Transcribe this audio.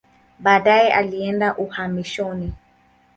Baadaye alienda uhamishoni.